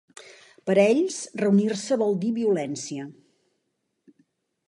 Per a ells reunir-se vol dir violència.